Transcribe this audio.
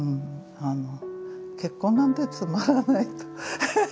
結婚なんてつまらないと。